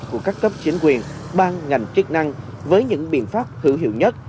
của các cấp chính quyền ban ngành chức năng với những biện pháp hữu hiệu nhất